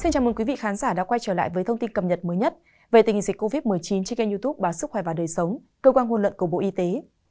chào mừng quý vị khán giả đã quay trở lại với thông tin cập nhật mới nhất về tình hình dịch covid một mươi chín trên kênh youtube bà sức khỏe và đời sống cơ quan hôn lận của bộ y tế